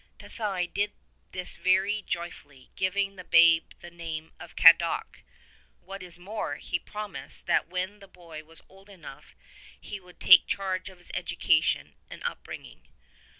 Tathai did this very joyfully, giving the babe the name of Cadoc; what is more, he promised that when the boy was old enough he would take charge of his education and up bringing.